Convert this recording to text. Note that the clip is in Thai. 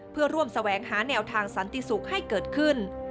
เพื่อร่วมแสวงหาแนวทางสันติสุขให้เกิดขึ้น